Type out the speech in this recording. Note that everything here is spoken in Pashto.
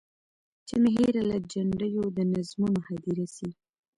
چي مي هېره له جنډیو د نظمونو هدیره سي.